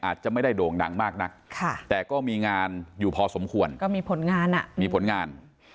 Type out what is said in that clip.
อาจจะไม่ได้โด่งดังมากนักแต่ก็มีงานอยู่พอสมควรก็มีผลงานอ่ะมีผลงาน